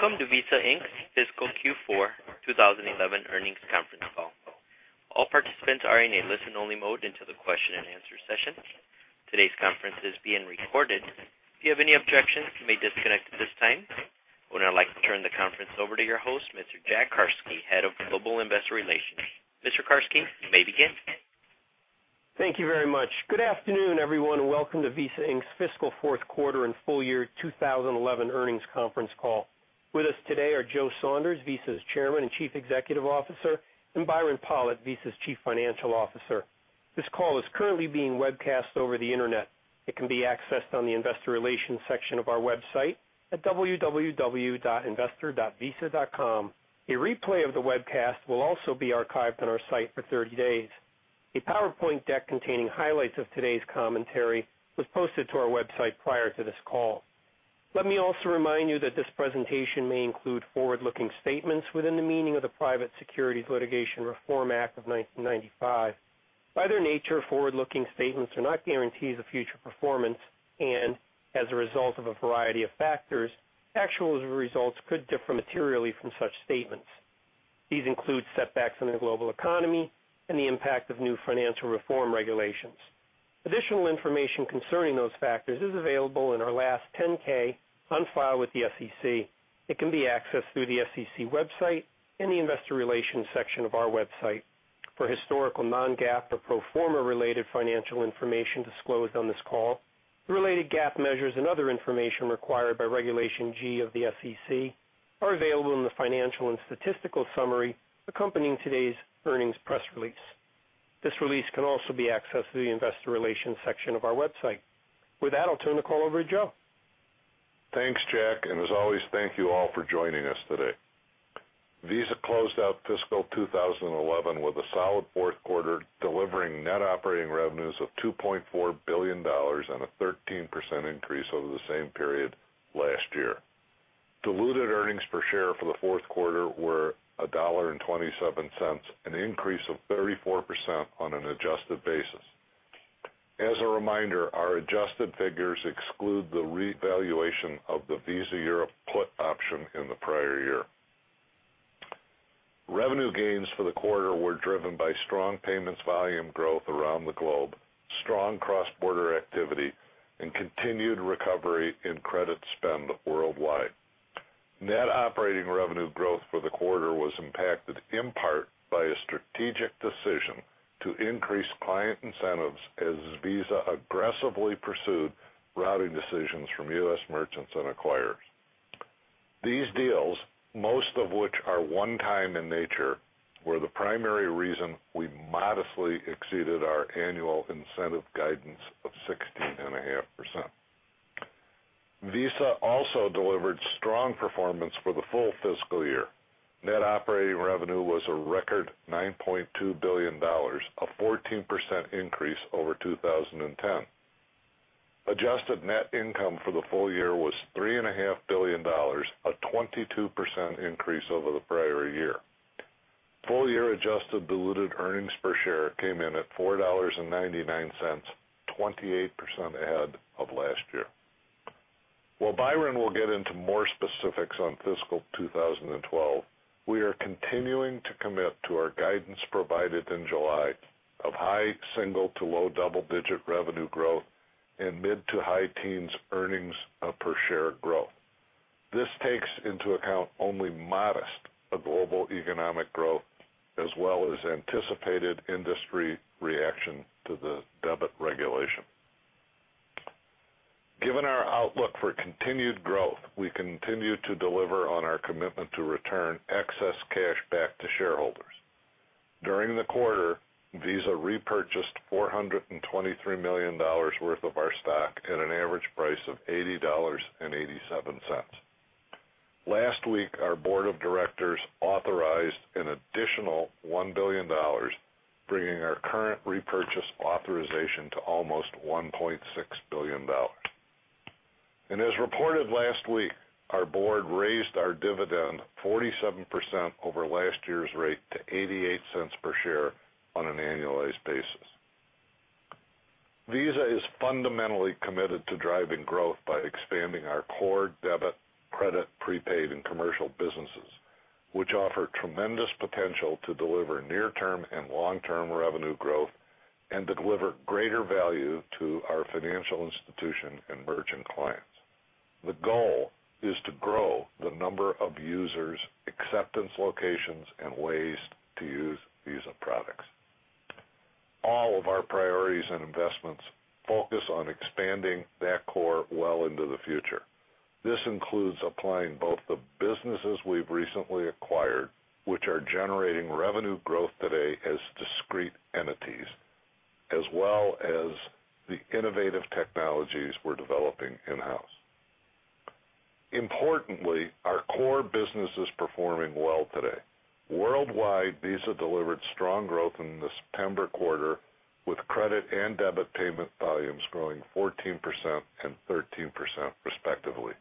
Welcome to Visa Inc.'s Fiscal Q4 2011 Earnings Conference Call. All participants are in a listen-only mode until the question and answer session. Today's conference is being recorded. If you have any objections, you may disconnect at this time. I would now like to turn the conference over to your host, Mr. Jack Carsky, Head of Global Investor Relations. Mr. Carsky, you may begin. Thank you very much. Good afternoon, everyone, and welcome to Visa Inc.'s Fiscal Fourth Quarter and Full Year 2011 Earnings Conference Call. With us today are Joe Saunders, Visa's Chairman and Chief Executive Officer, and Byron Pollitt, Visa's Chief Financial Officer. This call is currently being webcast over the internet. It can be accessed on the investor relations section of our website at www.investor.visa.com. A replay of the webcast will also be archived on our site for 30 days. A PowerPoint deck containing highlights of today's commentary was posted to our website prior to this call. Let me also remind you that this presentation may include forward-looking statements within the meaning of the Private Securities Litigation Reform Act of 1995. By their nature, forward-looking statements are not guarantees of future performance and, as a result of a variety of factors, actual results could differ materially from such statements. These include setbacks in the global economy and the impact of new financial reform regulations. Additional information concerning those factors is available in our last 10-K on file with the SEC. It can be accessed through the SEC website and the investor relations section of our website. For historical non-GAAP or pro forma related financial information disclosed on this call, the related GAAP measures and other information required by Regulation G of the SEC are available in the financial and statistical summary accompanying today's earnings press release. This release can also be accessed through the investor relations section of our website. With that, I'll turn the call over to Joe. Thanks, Jack, and as always, thank you all for joining us today. Visa closed out fiscal 2011 with a solid fourth quarter, delivering net operating revenues of $2.4 billion and a 13% increase over the same period last year. Diluted earnings per share for the fourth quarter were $1.27, an increase of 34% on an adjusted basis. As a reminder, our adjusted figures exclude the revaluation of the Visa Europe put option in the prior year. Revenue gains for the quarter were driven by strong payments volume growth around the globe, strong cross-border activity, and continued recovery in credit spend worldwide. Net operating revenue growth for the quarter was impacted in part by a strategic decision to increase client incentives as Visa aggressively pursued routing decisions from U.S. merchants and acquirers. These deals, most of which are one-time in nature, were the primary reason we modestly exceeded our annual incentive guidance of 16.5%. Visa also delivered strong performance for the full fiscal year. Net operating revenue was a record $9.2 billion, a 14% increase over 2010. Adjusted net income for the full year was $3.5 billion, a 22% increase over the prior year. Full-year adjusted diluted earnings per share came in at $4.99, 28% ahead of last year. While Byron will get into more specifics on fiscal 2012, we are continuing to commit to our guidance provided in July of high single to low double-digit revenue growth and mid to high teens earnings per share growth. This takes into account only modest global economic growth, as well as anticipated industry reaction to the debit regulation. Given our outlook for continued growth, we continue to deliver on our commitment to return excess cash back to shareholders. During the quarter, Visa repurchased $423 million worth of our stock at an average price of $80.87. Last week, our Board of Directors authorized an additional $1 billion, bringing our current repurchase authorization to almost $1.6 billion. As reported last week, our board raised our dividend 47% over last year's rate to $0.88 per share on an annualized basis. Visa is fundamentally committed to driving growth by expanding our core debit, credit, prepaid, and commercial businesses, which offer tremendous potential to deliver near-term and long-term revenue growth and to deliver greater value to our financial institution and merchant clients. The goal is to grow the number of users, acceptance locations, and ways to use Visa products. All of our priorities and investments focus on expanding that core well into the future. This includes applying both the businesses we've recently acquired, which are generating revenue growth today as discrete entities, as well as the innovative technologies we're developing in-house. Importantly, our core business is performing well today. Worldwide, Visa delivered strong growth in the September quarter, with credit and debit payment volumes growing 14% and 13% respectively.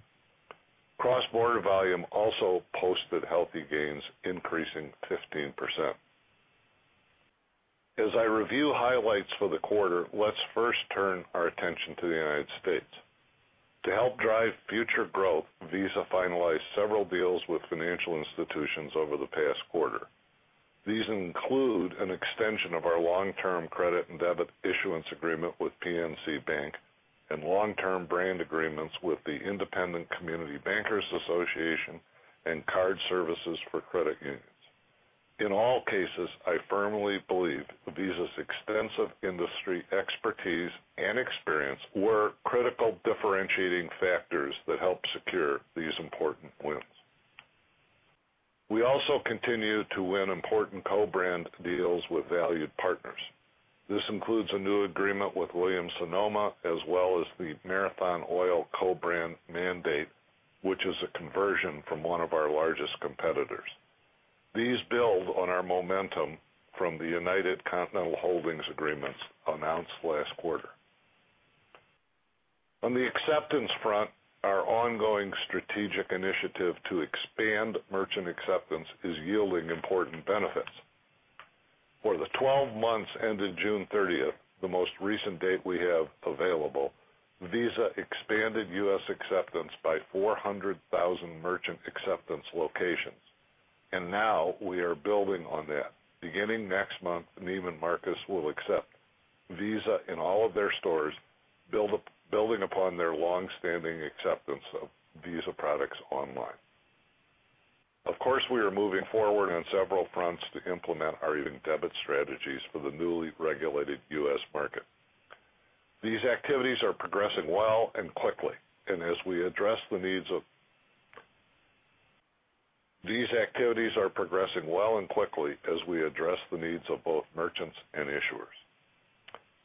Cross-border volume also posted healthy gains, increasing 15%. As I review highlights for the quarter, let's first turn our attention to the U.S. To help drive future growth, Visa finalized several deals with financial institutions over the past quarter. These include an extension of our long-term credit and debit issuance agreement with PNC Bank and long-term brand agreements with the Independent Community Bankers Association and Card Services for Credit Unions. In all cases, I firmly believe Visa's extensive industry expertise and experience were critical differentiating factors that helped secure these important wins. We also continue to win important co-brand deals with valued partners. This includes a new agreement with Williams-Sonoma, as well as the Marathon Oil co-brand mandate, which is a conversion from one of our largest competitors. These build on our momentum from the United Continental Holdings agreements announced last quarter. On the acceptance front, our ongoing strategic initiative to expand merchant acceptance is yielding important benefits. For the 12 months ended June 30th, the most recent date we have available, Visa expanded U.S. acceptance by 400,000 merchant acceptance locations, and now we are building on that. Beginning next month, Neiman Marcus will accept Visa in all of their stores, building upon their longstanding acceptance of Visa products online. Of course, we are moving forward on several fronts to implement our debit strategies for the newly regulated U.S. market. These activities are progressing well and quickly as we address the needs of both merchants and issuers.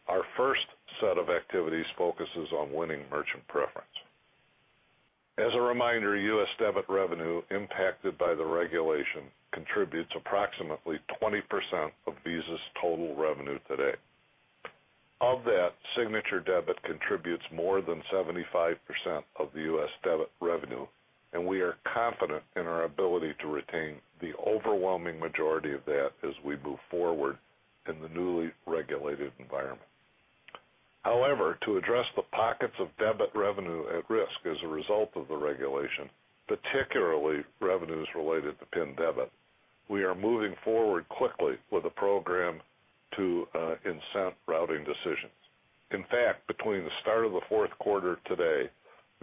Our first set of activities focuses on winning merchant preference. As a reminder, U.S. debit revenue impacted by the regulation contributes approximately 20% of Visa's total revenue today. Of that, signature debit contributes more than 75% of the U.S. debit revenue, and we are confident in our ability to retain the overwhelming majority of that as we move forward in the newly regulated environment. However, to address the pockets of debit revenue at risk as a result of the regulation, particularly revenues related to PIN debit, we are moving forward quickly with a program to incent routing decisions. In fact, between the start of the fourth quarter and today,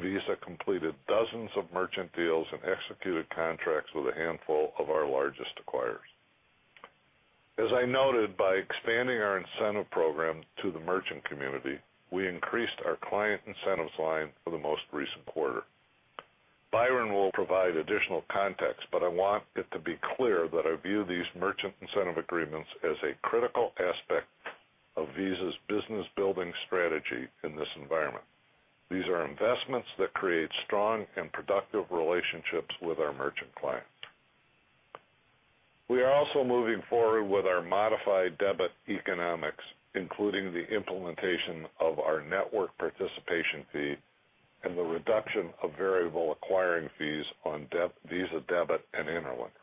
Visa completed dozens of merchant deals and executed contracts with a handful of our largest acquirers. As I noted, by expanding our incentive program to the merchant community, we increased our client incentives line for the most recent quarter. Byron will provide additional context, but I want it to be clear that I view these merchant incentive agreements as a critical aspect of Visa's business-building strategy in this environment. These are investments that create strong and productive relationships with our merchant clients. We are also moving forward with our modified debit economics, including the implementation of our network participation fee and the reduction of variable acquiring fees on Visa debit and Interlinks.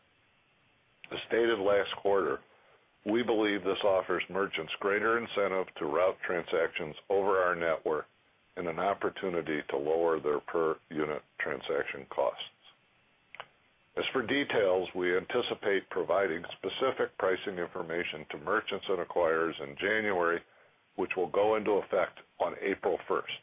As stated last quarter, we believe this offers merchants greater incentive to route transactions over our network and an opportunity to lower their per-unit transaction costs. As for details, we anticipate providing specific pricing information to merchants and acquirers in January, which will go into effect on April 1st.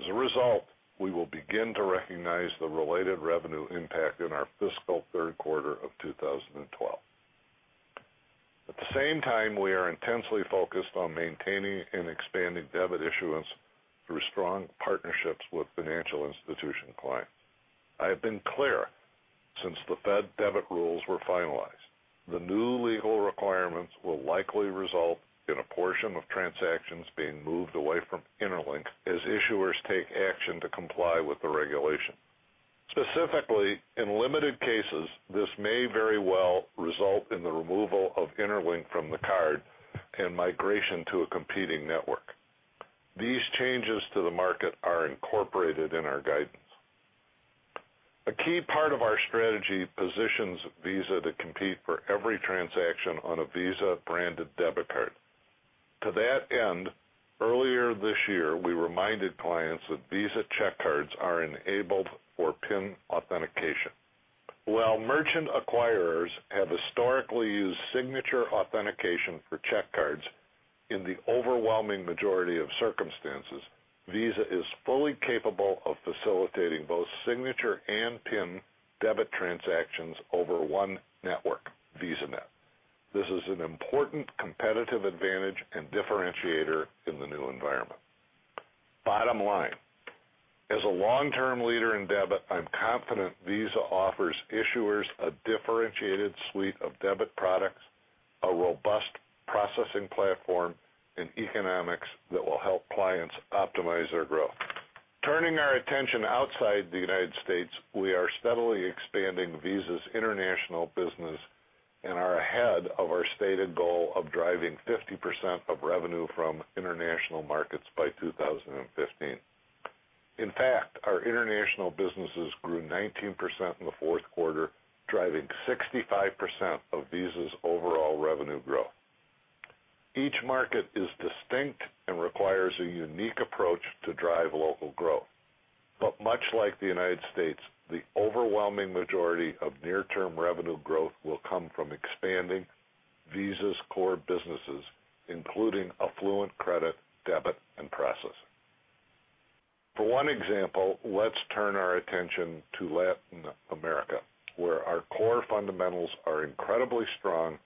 As a result, we will begin to recognize the related revenue impact in our fiscal third quarter of 2012. At the same time, we are intensely focused on maintaining and expanding debit issuance through strong partnerships with financial institution clients. I have been clear since the Fed debit rules were finalized. The new legal requirements will likely result in a portion of transactions being moved away from Interlink as issuers take action to comply with the regulation. Specifically, in limited cases, this may very well result in the removal of Interlink from the card and migration to a competing network. These changes to the market are incorporated in our guidance. A key part of our strategy positions Visa to compete for every transaction on a Visa-branded debit card. To that end, earlier this year, we reminded clients that Visa check cards are enabled for PIN authentication. While merchant acquirers have historically used signature authentication for check cards, in the overwhelming majority of circumstances, Visa is fully capable of facilitating both signature and PIN debit transactions over one network, VisaNet. This is an important competitive advantage and differentiator in the new environment. Bottom line, as a long-term leader in debit, I'm confident Visa offers issuers a differentiated suite of debit products, a robust processing platform, and economics that will help clients optimize their growth. Turning our attention outside the U.S., we are steadily expanding Visa's international business and are ahead of our stated goal of driving 50% of revenue from international markets by 2015. In fact, our international businesses grew 19% in the fourth quarter, driving 65% of Visa's overall revenue growth. Each market is distinct and requires a unique approach to drive local growth. Much like the U.S., the overwhelming majority of near-term revenue growth will come from expanding Visa's core businesses, including affluent credit, debit, and processing. For one example, let's turn our attention to Latin America, where our core fundamentals are incredibly strong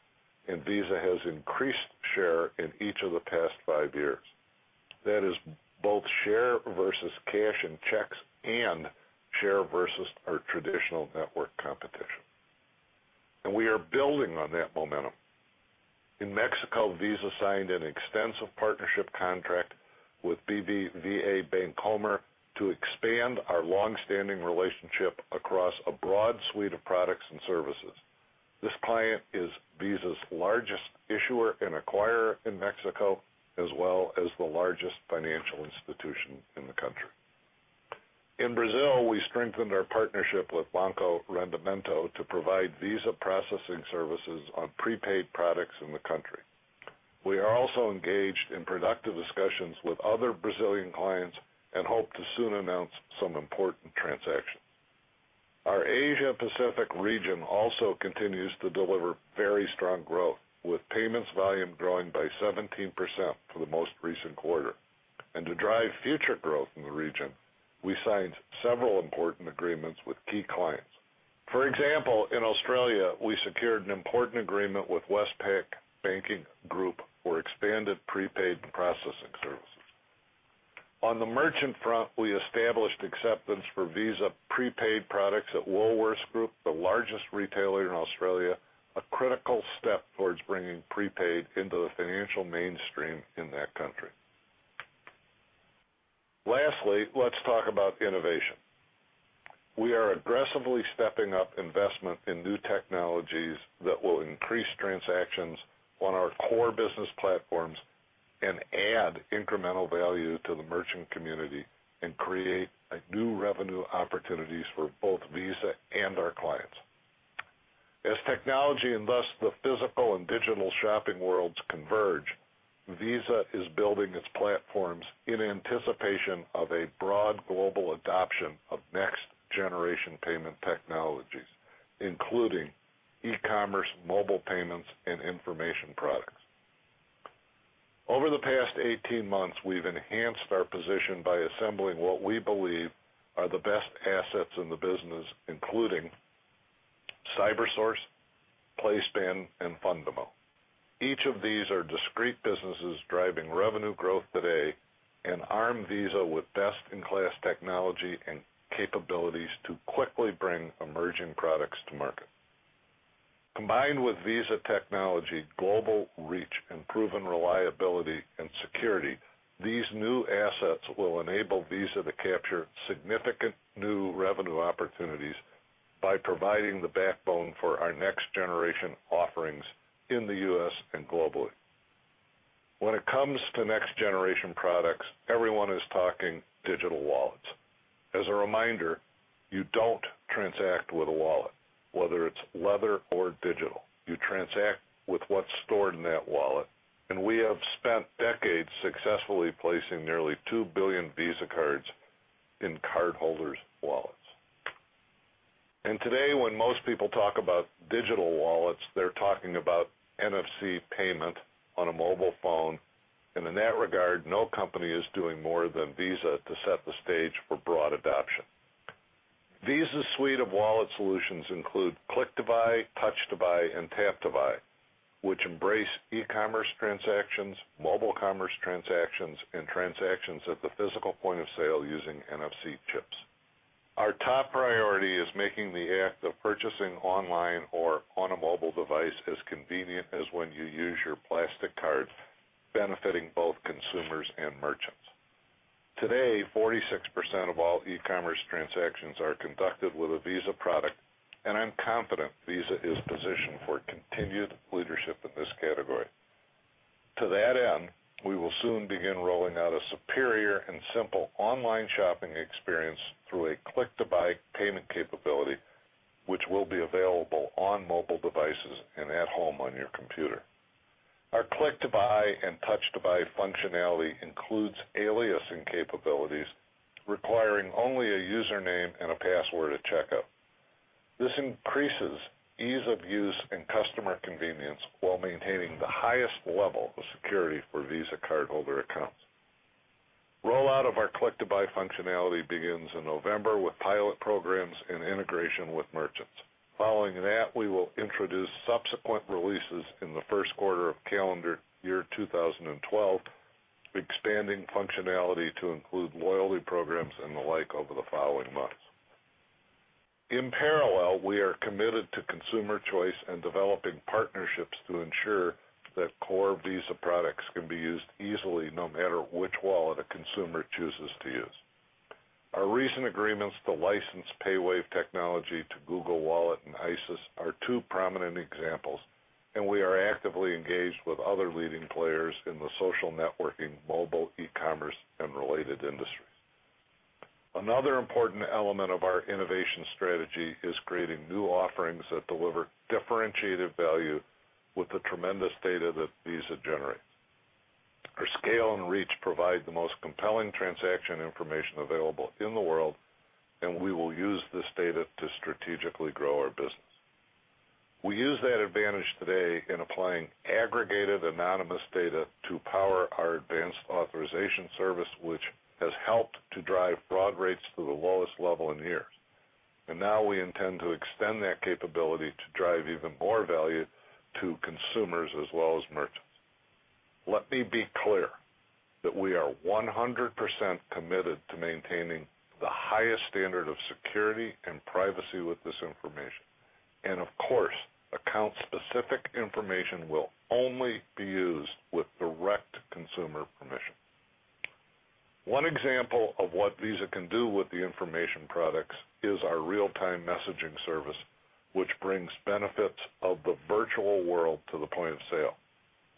and Visa has increased share in each of the past five years. That is both share versus cash and checks and share versus our traditional network competition. We are building on that momentum. In Mexico, Visa signed an extensive partnership contract with BBVA Bancomer to expand our longstanding relationship across a broad suite of products and services. This client is Visa's largest issuer and acquirer in Mexico, as well as the largest financial institution in the country. In Brazil, we strengthened our partnership with Banco Rendimento to provide Visa processing services on prepaid products in the country. We are also engaged in productive discussions with other Brazilian clients and hope to soon announce some important transactions. Our Asia-Pacific region also continues to deliver very strong growth, with payments volume growing by 17% for the most recent quarter. To drive future growth in the region, we signed several important agreements with key clients. For example, in Australia, we secured an important agreement with Westpac Banking Group for expanded prepaid processing services. On the merchant front, we established acceptance for Visa prepaid products at Woolworths Group, the largest retailer in Australia, a critical step towards bringing prepaid into the financial mainstream in that country. Lastly, let's talk about innovation. We are aggressively stepping up investment in new technologies that will increase transactions on our core business platforms and add incremental value to the merchant community and create new revenue opportunities for both Visa and our clients. As technology and thus the physical and digital shopping worlds converge, Visa is building its platforms in anticipation of a broad global adoption of next-generation payment technologies, including e-commerce, mobile payments, and information products. Over the past 18 months, we've enhanced our position by assembling what we believe are the best assets in the business, including CyberSource, PlaySpan, and Fundamo. Each of these are discrete businesses driving revenue growth today and arm Visa with best-in-class technology and capabilities to quickly bring emerging products to market. Combined with Visa technology, global reach, and proven reliability and security, these new assets will enable Visa to capture significant new revenue opportunities by providing the backbone for our next-generation offerings in the U.S. and globally. When it comes to next-generation products, everyone is talking digital wallets. As a reminder, you don't transact with a wallet, whether it's leather or digital. You transact with what's stored in that wallet, and we have spent decades successfully placing nearly 2 billion Visa cards in cardholders' wallets. Today, when most people talk about digital wallets, they're talking about NFC payment on a mobile phone, and in that regard, no company is doing more than Visa to set the stage for broad adoption. Visa's suite of wallet solutions includes Click to Buy, Touch to Buy, and Tap to Buy, which embrace e-commerce transactions, mobile commerce transactions, and transactions at the physical point of sale using NFC chips. Our top priority is making the act of purchasing online or on a mobile device as convenient as when you use your plastic card, benefiting both consumers and merchants. Today, 46% of all e-commerce transactions are conducted with a Visa product, and I'm confident Visa is positioned for continued leadership in this category. To that end, we will soon begin rolling out a superior and simple online shopping experience through a Click to Buy payment capability, which will be available on mobile devices and at home on your computer. Our Click to Buy and Touch to Buy functionality includes aliasing capabilities, requiring only a username and a password at checkout. This increases ease of use and customer convenience while maintaining the highest level of security for Visa cardholder accounts. Roll-out of our Click to Buy functionality begins in November with pilot programs and integration with merchants. Following that, we will introduce subsequent releases in the first quarter of calendar year 2012, expanding functionality to include loyalty programs and the like over the following months. In parallel, we are committed to consumer choice and developing partnerships to ensure that core Visa products can be used easily no matter which wallet a consumer chooses to use. Our recent agreements to license PayWave technology to Google Wallet and ISIS are two prominent examples, and we are actively engaged with other leading players in the social networking, mobile e-commerce, and related industries. Another important element of our innovation strategy is creating new offerings that deliver differentiated value with the tremendous data that Visa generates. Our scale and reach provide the most compelling transaction information available in the world, and we will use this data to strategically grow our business. We use that advantage today in applying aggregated anonymous data to power our advanced authorization service, which has helped to drive fraud rates to the lowest level in years. We intend to extend that capability to drive even more value to consumers as well as merchants. Let me be clear that we are 100% committed to maintaining the highest standard of security and privacy with this information. Of course, account-specific information will only be used with direct consumer permission. One example of what Visa can do with the information products is our real-time messaging service, which brings benefits of the virtual world to the point of sale.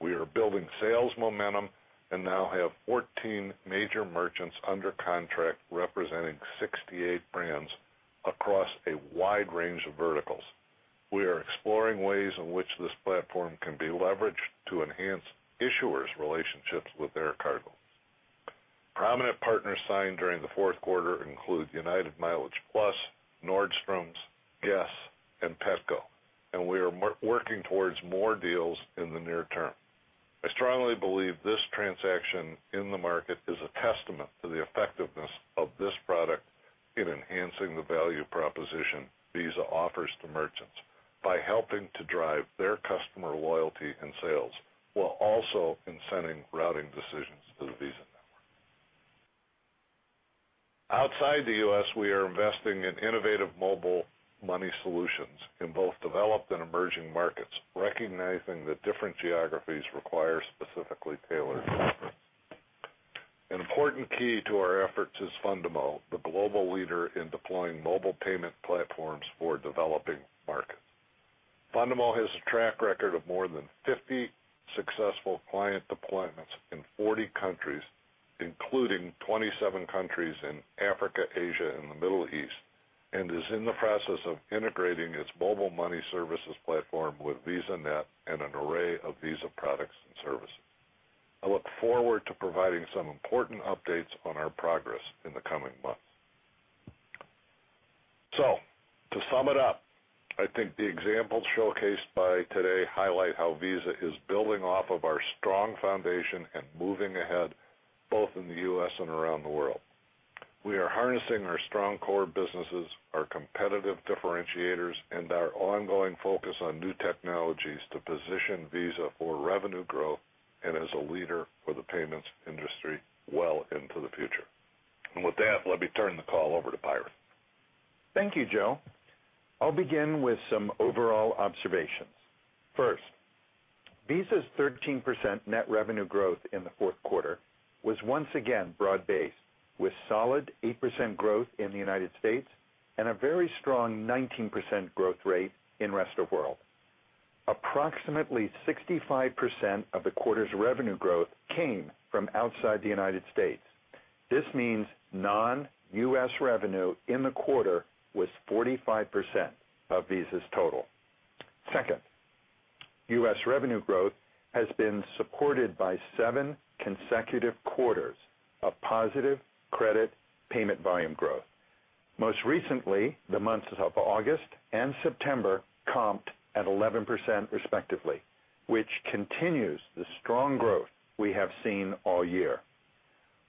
We are building sales momentum and now have 14 major merchants under contract representing 68 brands across a wide range of verticals. We are exploring ways in which this platform can be leveraged to enhance issuers' relationships with their cardholders. Prominent partners signed during the fourth quarter include United MileagePlus, Nordstrom, Guess, and Petco, and we are working towards more deals in the near term. I strongly believe this transaction in the market is a testament to the effectiveness of this product in enhancing the value proposition Visa offers to merchants by helping to drive their customer loyalty and sales, while also incenting routing decisions to the Visa network. Outside the U.S., we are investing in innovative mobile money solutions in both developed and emerging markets, recognizing that different geographies require specifically tailored use. An important key to our efforts is Fundamo, the global leader in deploying mobile payment platforms for developing markets. Fundamo has a track record of more than 50 successful client deployments in 40 countries, including 27 countries in Africa, Asia, and the Middle East, and is in the process of integrating its mobile money services platform with VisaNet and an array of Visa products and services. I look forward to providing some important updates on our progress in the coming months. To sum it up, I think the examples showcased by today highlight how Visa is building off of our strong foundation and moving ahead, both in the U.S. and around the world. We are harnessing our strong core businesses, our competitive differentiators, and our ongoing focus on new technologies to position Visa for revenue growth and as a leader for the payments industry well into the future. With that, let me turn the call over to Byron. Thank you, Joe. I'll begin with some overall observations. First, Visa's 13% net revenue growth in the fourth quarter was once again broad-based, with solid 8% growth in the U.S. and a very strong 19% growth rate in the rest of the world. Approximately 65% of the quarter's revenue growth came from outside the U.S. This means non-U.S. revenue in the quarter was 45% of Visa's total. Second, U.S. revenue growth has been supported by seven consecutive quarters of positive credit payment volume growth. Most recently, the months of August and September comped at 11% respectively, which continues the strong growth we have seen all year.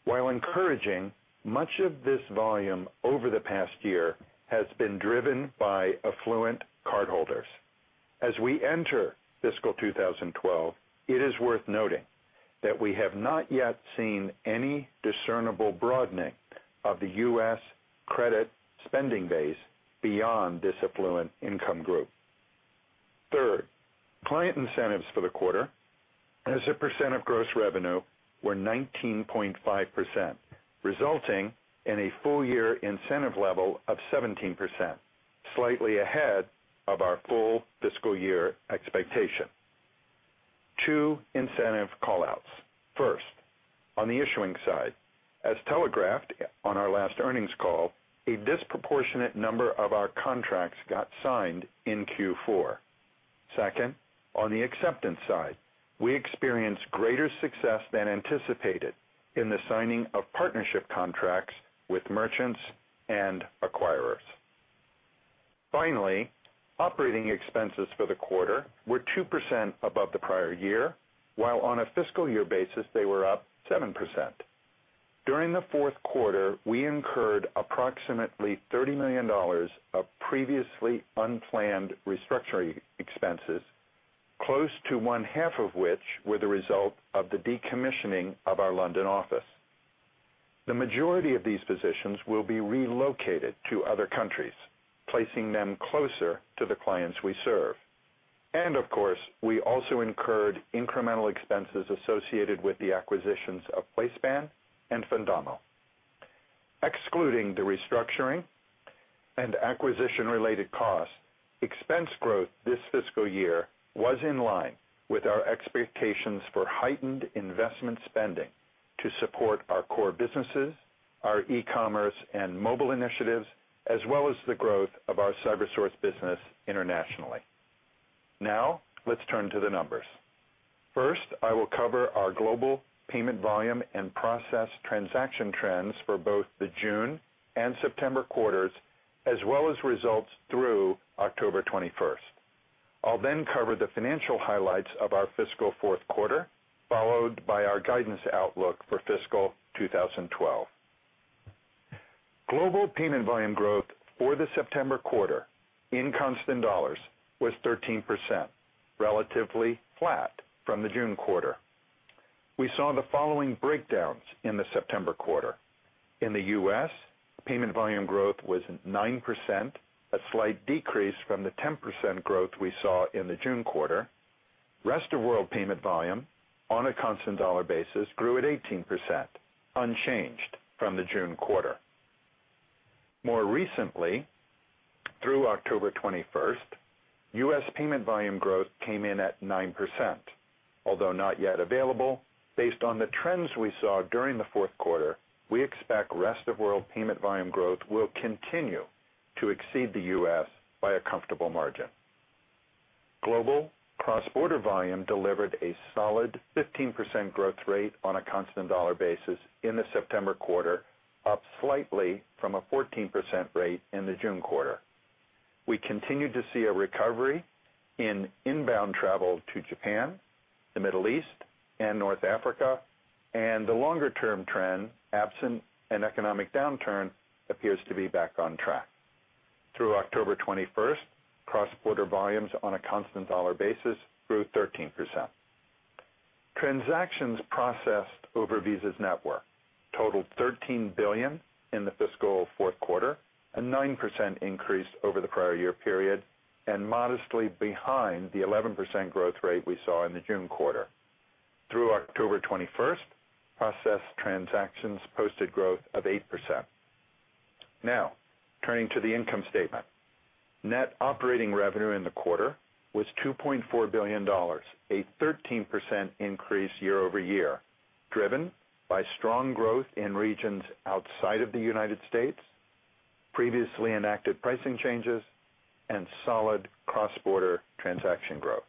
While encouraging, much of this volume over the past year has been driven by affluent cardholders. As we enter fiscal 2012, it is worth noting that we have not yet seen any discernible broadening of the U.S. credit spending base beyond this affluent income group. Third, client incentives for the quarter, as a percent of gross revenue, were 19.5%, resulting in a full-year incentive level of 17%, slightly ahead of our full fiscal year expectation. Two incentive callouts. First, on the issuing side, as telegraphed on our last earnings call, a disproportionate number of our contracts got signed in Q4. Second, on the acceptance side, we experienced greater success than anticipated in the signing of partnership contracts with merchants and acquirers. Finally, operating expenses for the quarter were 2% above the prior year, while on a fiscal year basis, they were up 7%. During the fourth quarter, we incurred approximately $30 million of previously unplanned restructuring expenses, close to one-half of which were the result of the decommissioning of our London office. The majority of these positions will be relocated to other countries, placing them closer to the clients we serve. We also incurred incremental expenses associated with the acquisitions of PlaySpan and Fundamo. Excluding the restructuring and acquisition-related costs, expense growth this fiscal year was in line with our expectations for heightened investment spending to support our core businesses, our e-commerce and mobile initiatives, as well as the growth of our CyberSource business internationally. Now, let's turn to the numbers. First, I will cover our global payment volume and process transaction trends for both the June and September quarters, as well as results through October 21st. I'll then cover the financial highlights of our fiscal fourth quarter, followed by our guidance outlook for fiscal 2012. Global payment volume growth for the September quarter in constant dollars was 13%, relatively flat from the June quarter. We saw the following breakdowns in the September quarter. In the U.S., payment volume growth was 9%, a slight decrease from the 10% growth we saw in the June quarter. The rest of the world payment volume on a constant dollar basis grew at 18%, unchanged from the June quarter. More recently, through October 21st, U.S. payment volume growth came in at 9%. Although not yet available, based on the trends we saw during the fourth quarter, we expect the rest of the world payment volume growth will continue to exceed the U.S. by a comfortable margin. Global cross-border volume delivered a solid 15% growth rate on a constant dollar basis in the September quarter, up slightly from a 14% rate in the June quarter. We continue to see a recovery in inbound travel to Japan, the Middle East, and North Africa, and the longer-term trend, absent an economic downturn, appears to be back on track. Through October 21st, cross-border volumes on a constant dollar basis grew 13%. Transactions processed over VisaNet totaled $13 billion in the fiscal fourth quarter, a 9% increase over the prior year period, and modestly behind the 11% growth rate we saw in the June quarter. Through October 21st, processed transactions posted growth of 8%. Now, turning to the income statement. Net operating revenue in the quarter was $2.4 billion, a 13% increase year-over-year, driven by strong growth in regions outside of the United States, previously enacted pricing changes, and solid cross-border transaction growth.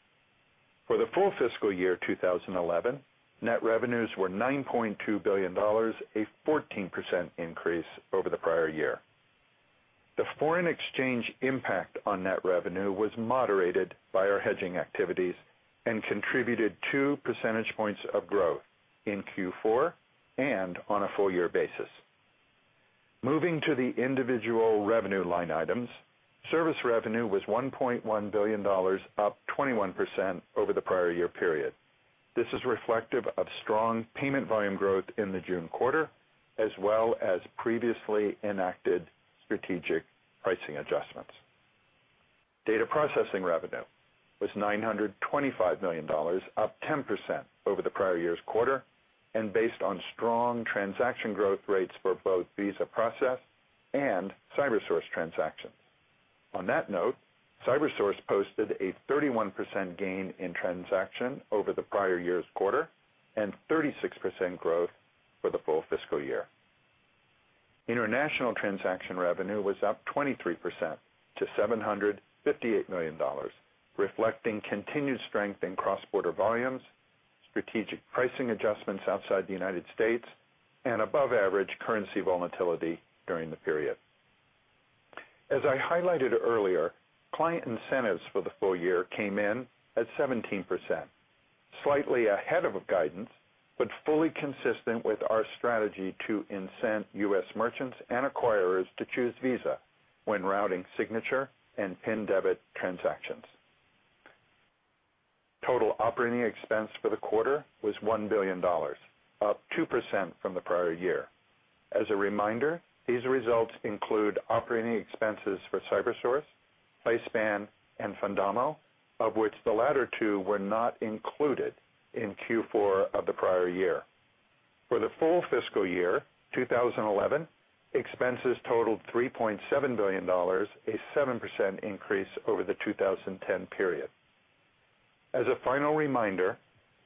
For the full fiscal year 2011, net revenues were $9.2 billion, a 14% increase over the prior year. The foreign exchange impact on net revenue was moderated by our hedging activities and contributed 2 percentage points of growth in Q4 and on a full-year basis. Moving to the individual revenue line items, service revenue was $1.1 billion, up 21% over the prior year period. This is reflective of strong payment volume growth in the June quarter, as well as previously enacted strategic pricing adjustments. Data processing revenue was $925 million, up 10% over the prior year's quarter, and based on strong transaction growth rates for both Visa processed and CyberSource transactions. On that note, CyberSource posted a 31% gain in transactions over the prior year's quarter and 36% growth for the full fiscal year. International transaction revenue was up 23% to $758 million, reflecting continued strength in cross-border volumes, strategic pricing adjustments outside the U.S., and above-average currency volatility during the period. As I highlighted earlier, client incentives for the full year came in at 17%, slightly ahead of guidance, but fully consistent with our strategy to incent U.S. merchants and acquirers to choose Visa when routing signature and PIN debit transactions. Total operating expense for the quarter was $1 billion, up 2% from the prior year. As a reminder, these results include operating expenses for CyberSource, PlaySpan, and Fundamo, of which the latter two were not included in Q4 of the prior year. For the full fiscal year 2011, expenses totaled $3.7 billion, a 7% increase over the 2010 period. As a final reminder,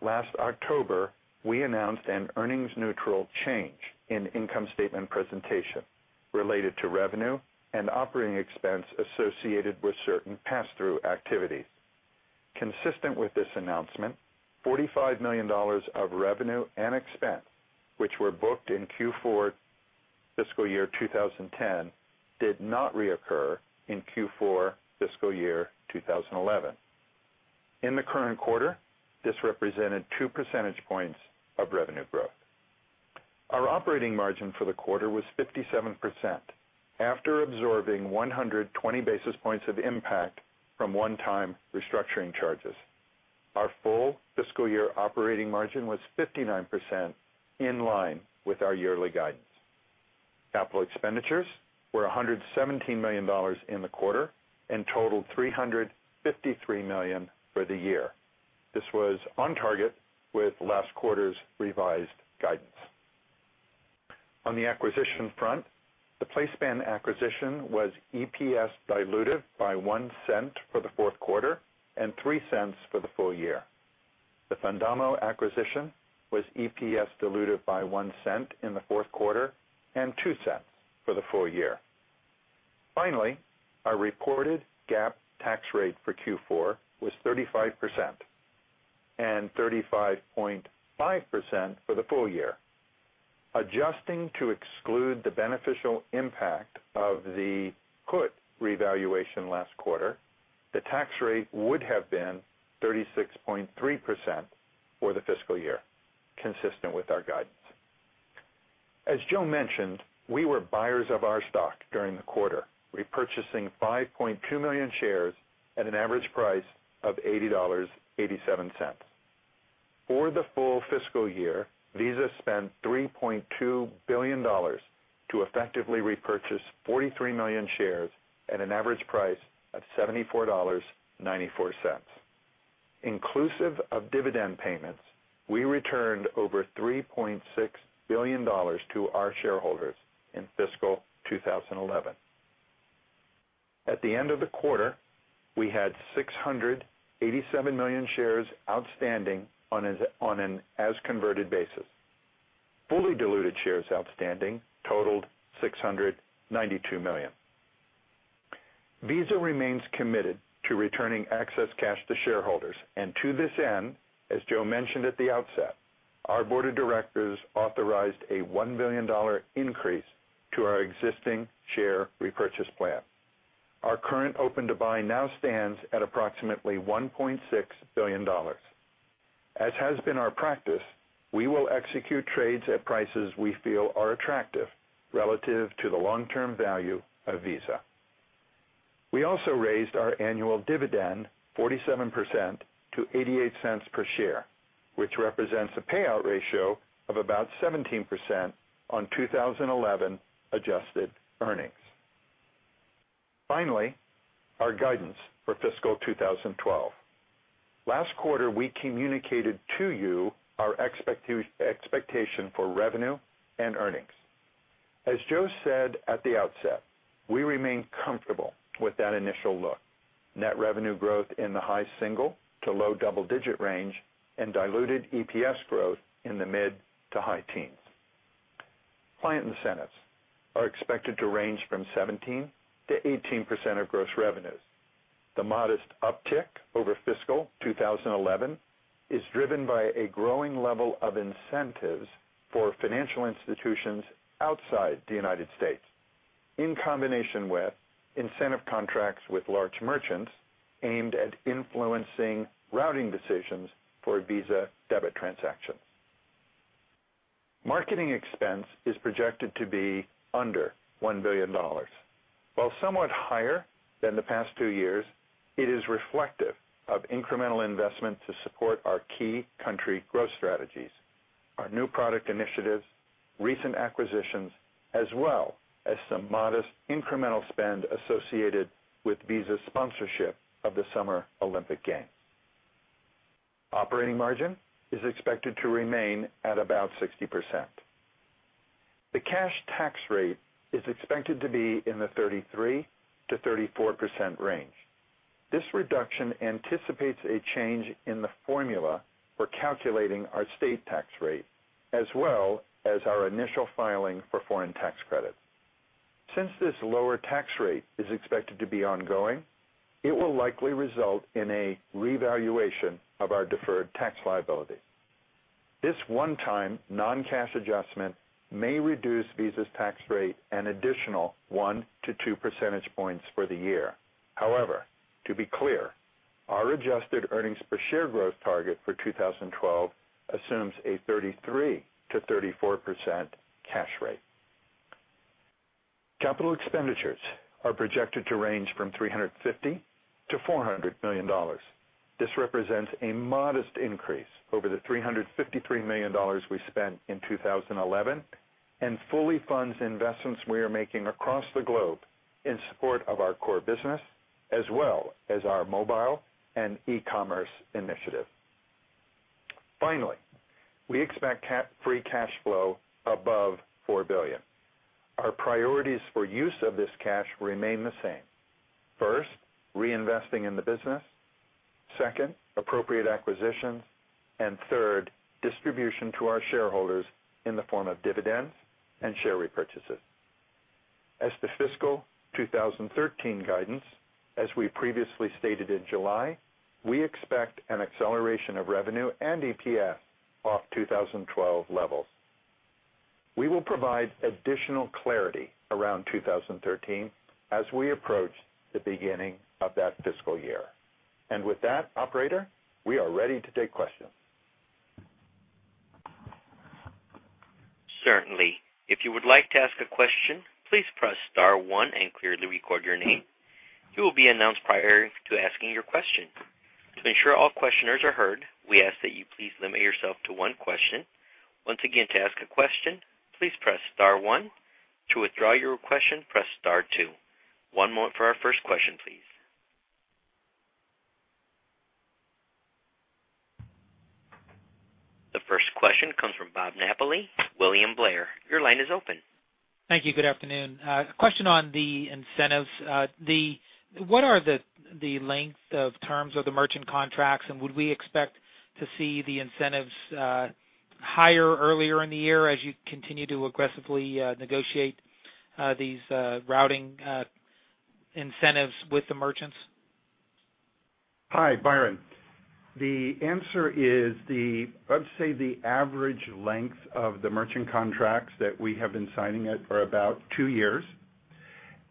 last October, we announced an earnings-neutral change in income statement presentation related to revenue and operating expense associated with certain pass-through activities. Consistent with this announcement, $45 million of revenue and expense, which were booked in Q4 fiscal year 2010, did not reoccur in Q4 fiscal year 2011. In the current quarter, this represented 2 percentage points of revenue growth. Our operating margin for the quarter was 57% after absorbing 120 basis points of impact from one-time restructuring charges. Our full fiscal year operating margin was 59% in line with our yearly guidance. Capital expenditures were $117 million in the quarter and totaled $353 million for the year. This was on target with last quarter's revised guidance. On the acquisition front, the PlaySpan acquisition was EPS dilutive by $0.01 for the fourth quarter and $0.03 for the full year. The Fundamo acquisition was EPS dilutive by $0.01 in the fourth quarter and $0.02 for the full year. Finally, our reported GAAP tax rate for Q4 was 35% and 35.5% for the full year. Adjusting to exclude the beneficial impact of the put revaluation last quarter, the tax rate would have been 36.3% for the fiscal year, consistent with our guidance. As Joe mentioned, we were buyers of our stock during the quarter, repurchasing 5.2 million shares at an average price of $80.87. For the full fiscal year, Visa spent $3.2 billion to effectively repurchase 43 million shares at an average price of $74.94. Inclusive of dividend payments, we returned over $3.6 billion to our shareholders in fiscal 2011. At the end of the quarter, we had 687 million shares outstanding on an as-converted basis. Fully diluted shares outstanding totaled 692 million. Visa remains committed to returning excess cash to shareholders, and to this end, as Joe mentioned at the outset, our Board of Directors authorized a $1 billion increase to our existing share repurchase plan. Our current open-to-buy now stands at approximately $1.6 billion. As has been our practice, we will execute trades at prices we feel are attractive relative to the long-term value of Visa. We also raised our annual dividend 47% to $0.88 per share, which represents a payout ratio of about 17% on 2011 adjusted earnings. Finally, our guidance for fiscal 2012. Last quarter, we communicated to you our expectation for revenue and earnings. As Joe said at the outset, we remain comfortable with that initial look: net revenue growth in the high single to low double-digit range and diluted EPS growth in the mid to high teens. Client incentives are expected to range from 17%-18% of gross revenues. The modest uptick over fiscal 2011 is driven by a growing level of incentives for financial institutions outside the U.S., in combination with incentive contracts with large merchants aimed at influencing routing decisions for a Visa debit transaction. Marketing expense is projected to be under $1 billion. While somewhat higher than the past two years, it is reflective of incremental investment to support our key country growth strategies, our new product initiatives, recent acquisitions, as well as some modest incremental spend associated with Visa's sponsorship of the Summer Olympic Games. Operating margin is expected to remain at about 60%. The cash tax rate is expected to be in the 33%-34% range. This reduction anticipates a change in the formula for calculating our state tax rate, as well as our initial filing for foreign tax credits. Since this lower tax rate is expected to be ongoing, it will likely result in a revaluation of our deferred tax liability. This one-time non-cash adjustment may reduce Visa's tax rate an additional 1 percentage point-2 percentage points for the year. However, to be clear, our adjusted earnings-per-share growth target for 2012 assumes a 33%-34% cash rate. Capital expenditures are projected to range from $350 million-$400 million. This represents a modest increase over the $353 million we spent in 2011 and fully funds investments we are making across the globe in support of our core business, as well as our mobile and e-commerce initiative. Finally, we expect free cash flow above $4 billion. Our priorities for use of this cash remain the same: first, reinvesting in the business, second, appropriate acquisitions, and third, distribution to our shareholders in the form of dividends and share repurchases. As to fiscal 2013 guidance, as we previously stated in July, we expect an acceleration of revenue and EPS off 2012 levels. We will provide additional clarity around 2013 as we approach the beginning of that fiscal year. With that, operator, we are ready to take questions. Certainly. If you would like to ask a question, please press star one and clearly record your name. You will be announced prior to asking your question. To ensure all questioners are heard, we ask that you please limit yourself to one question. Once again, to ask a question, please press star one. To withdraw your question, press star two. One moment for our first question, please. The first question comes from Bob Napoli, William Blair. Your line is open. Thank you. Good afternoon. A question on the incentives. What are the length of terms of the merchant contracts, and would we expect to see the incentives higher earlier in the year as you continue to aggressively negotiate these routing incentives with the merchants? Hi, Byron. The answer is, I'd say the average length of the merchant contracts that we have been signing are about two years.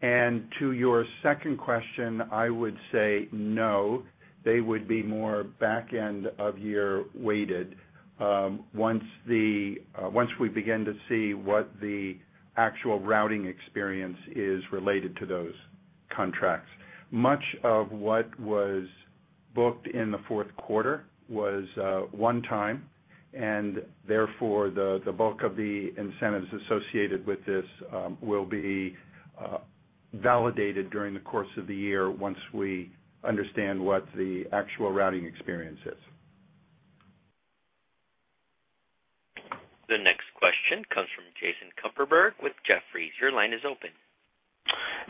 To your second question, I would say no. They would be more back-end of year weighted once we begin to see what the actual routing experience is related to those contracts. Much of what was booked in the fourth quarter was one time, and therefore the bulk of the incentives associated with this will be validated during the course of the year once we understand what the actual routing experience is. The next question comes from Jason Kupferberg with Jefferies. Your line is open.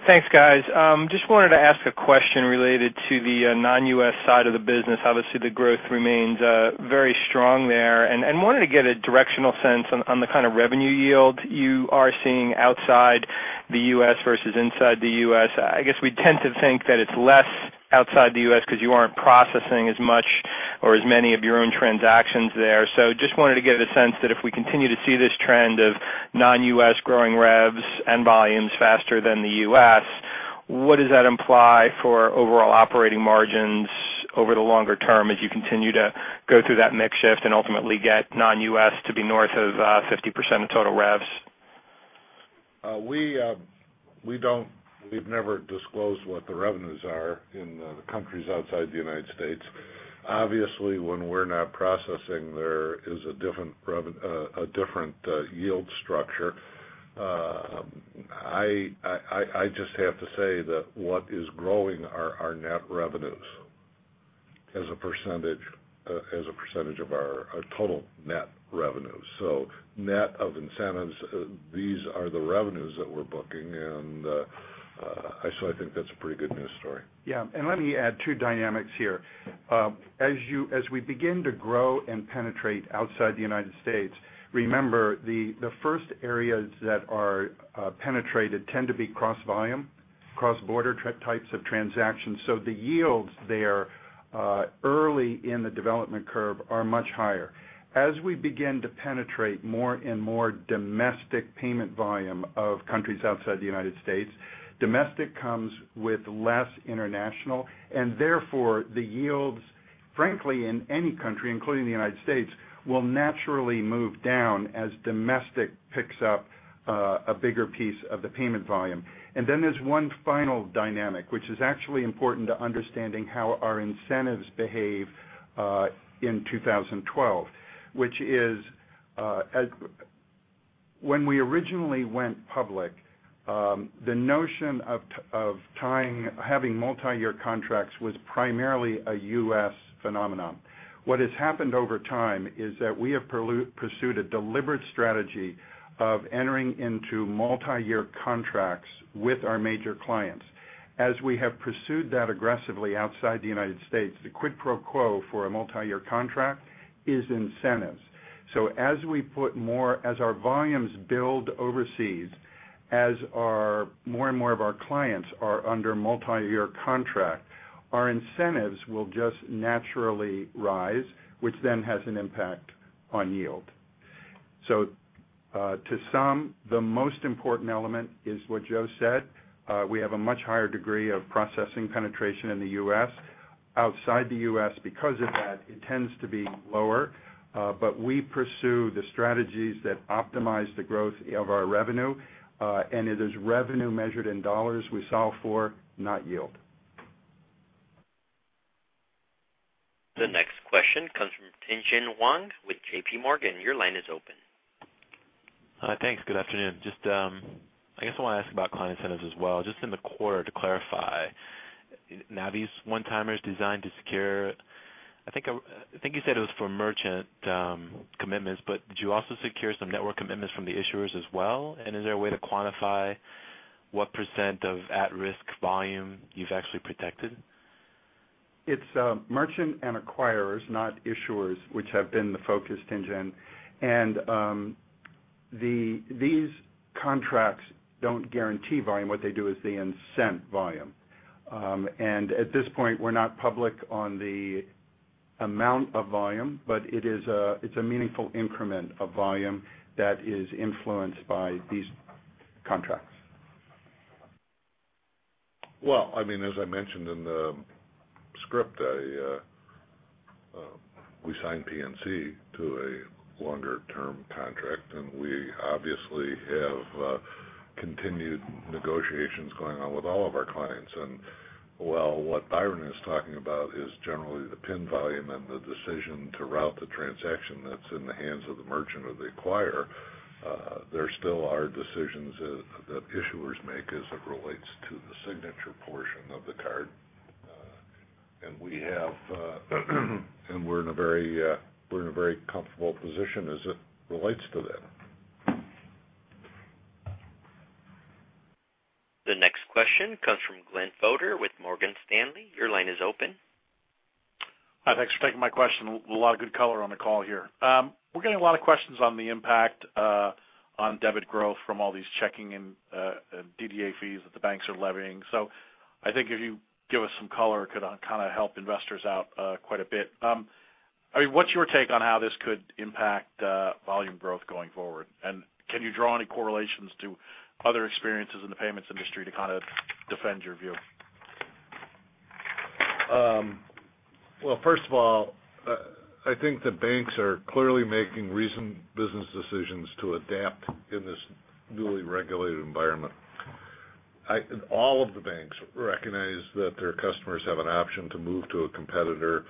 Thanks, guys. Just wanted to ask a question related to the non-U.S. side of the business. Obviously, the growth remains very strong there, and wanted to get a directional sense on the kind of revenue yield you are seeing outside the U.S. versus inside the U.S. I guess we tend to think that it's less outside the U.S. because you aren't processing as much or as many of your own transactions there. Just wanted to get a sense that if we continue to see this trend of non-U.S. growing revs and volumes faster than the U.S., what does that imply for overall operating margins over the longer term as you continue to go through that mix shift and ultimately get non-U.S. to be north of 50% of total revs? We've never disclosed what the revenues are in the countries outside the U.S. Obviously, when we're not processing, there is a different yield structure. I just have to say that what is growing are our net revenues as a percentage of our total net revenues. Net of incentives, these are the revenues that we're booking, and I think that's a pretty good news story. Yeah, and let me add two dynamics here. As we begin to grow and penetrate outside the U.S., remember the first areas that are penetrated tend to be cross-volume, cross-border types of transactions. The yields there early in the development curve are much higher. As we begin to penetrate more and more domestic payment volume of countries outside the U.S., domestic comes with less international, and therefore the yields, frankly, in any country, including the U.S., will naturally move down as domestic picks up a bigger piece of the payment volume. There is one final dynamic, which is actually important to understanding how our incentives behave in 2012, which is when we originally went public, the notion of having multi-year contracts was primarily a U.S. phenomenon. What has happened over time is that we have pursued a deliberate strategy of entering into multi-year contracts with our major clients. As we have pursued that aggressively outside the U.S., the quid pro quo for a multi-year contract is incentives. As we put more, as our volumes build overseas, as more and more of our clients are under multi-year contract, our incentives will just naturally rise, which then has an impact on yield. To some, the most important element is what Joe said. We have a much higher degree of processing penetration in the U.S. Outside the U.S., because of that, it tends to be lower, but we pursue the strategies that optimize the growth of our revenue, and it is revenue measured in dollars we solve for, not yield. The next question comes from Tien-Tsin Huang with JPMorgan. Your line is open. Thanks. Good afternoon. I want to ask about client incentives as well, just in the quarter to clarify. Now these one-timers designed to secure, I think you said it was for merchant commitments, did you also secure some network commitments from the issuers as well? Is there a way to quantify what percent of at-risk volume you've actually protected? It's merchants and acquirers, not issuers, which have been the focus, Tien-Tsin. These contracts don't guarantee volume. What they do is they incent volume. At this point, we're not public on the amount of volume, but it's a meaningful increment of volume that is influenced by these contracts. As I mentioned in the script, we signed PNC to a longer-term contract, and we obviously have continued negotiations going on with all of our clients. While what Byron is talking about is generally the PIN volume and the decision to route the transaction that's in the hands of the merchant or the acquirer, there still are decisions that issuers make as it relates to the signature portion of the card. We have, and we're in a very comfortable position as it relates to that. The next question comes from Glenn Fodor with Morgan Stanley. Your line is open. Hi, thanks for taking my question. A lot of good color on the call here. We're getting a lot of questions on the impact on debit growth from all these checking and DDA fees that the banks are levying. I think if you give us some color, it could kind of help investors out quite a bit. I mean, what's your take on how this could impact volume growth going forward? Can you draw any correlations to other experiences in the payments industry to kind of defend your view? First of all, I think the banks are clearly making recent business decisions to adapt in this newly regulated environment. All of the banks recognize that their customers have an option to move to a competitor,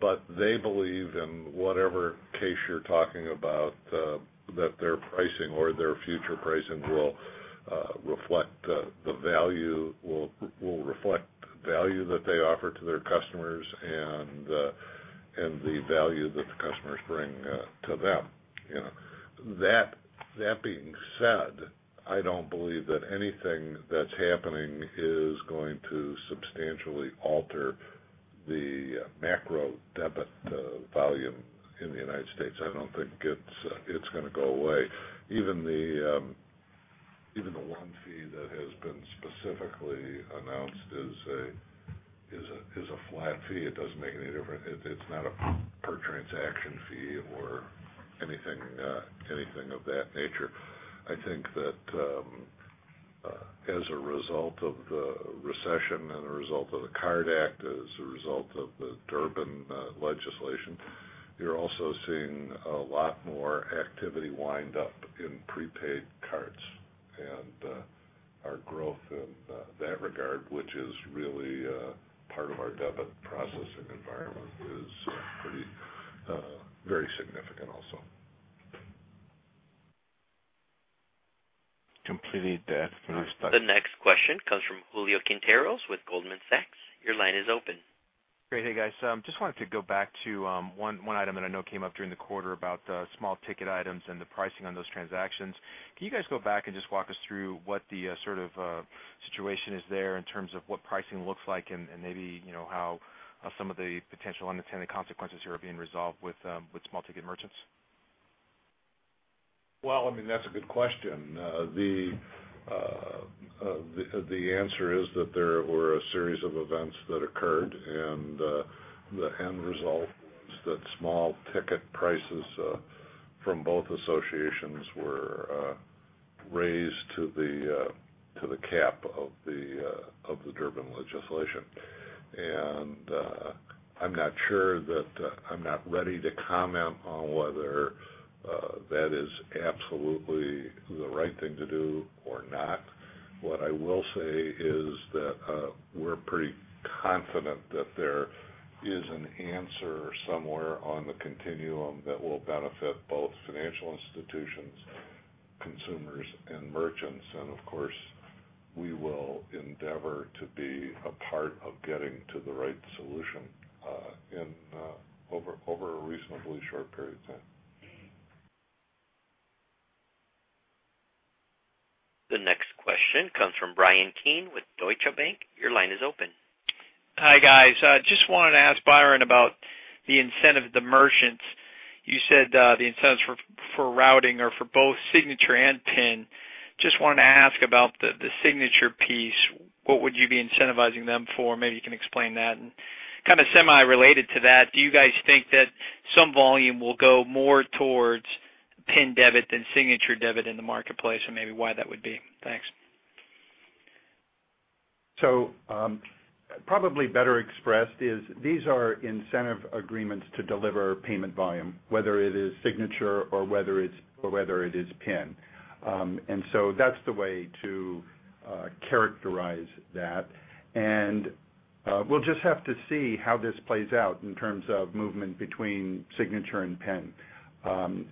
but they believe in whatever case you're talking about, that their pricing or their future pricing will reflect the value, will reflect the value that they offer to their customers and the value that the customers bring to them. That being said, I don't believe that anything that's happening is going to substantially alter the macro debit volume in the U.S. I don't think it's going to go away. Even the one fee that has been specifically announced is a flat fee. It doesn't make any difference. It's not a per-transaction fee or anything of that nature. I think that as a result of the recession and the result of the CARD Act, as a result of the Durbin legislation, you're also seeing a lot more activity wind up in prepaid cards. Our growth in that regard, which is really part of our debit processing environment, is pretty, very significant also. Completed that. The next question comes from Julio Quinteros with Goldman Sachs. Your line is open. Great. Hey, guys. Just wanted to go back to one item that I know came up during the quarter about small ticket items and the pricing on those transactions. Can you guys go back and just walk us through what the sort of situation is there in terms of what pricing looks like and maybe how some of the potential unintended consequences here are being resolved with small ticket merchants? That is a good question. The answer is that there were a series of events that occurred, and the end result is that small ticket prices from both associations were raised to the cap of the Durbin legislation. I'm not sure that I'm ready to comment on whether that is absolutely the right thing to do or not. What I will say is that we're pretty confident that there is an answer somewhere on the continuum that will benefit both financial institutions, consumers, and merchants. Of course, we will endeavor to be a part of getting to the right solution in over a reasonably short period of time. The next question comes from Bryan Keane with Deutsche Bank. Your line is open. Hi, guys. Just wanted to ask Byron about the incentive of the merchants. You said the incentives for routing are for both signature and PIN. Just wanted to ask about the signature piece. What would you be incentivizing them for? Maybe you can explain that. Kind of semi-related to that, do you guys think that some volume will go more towards PIN debit than signature debit in the marketplace and maybe why that would be? Thanks. These are incentive agreements to deliver payment volume, whether it is signature or whether it is PIN. That's the way to characterize that. We'll just have to see how this plays out in terms of movement between signature and PIN.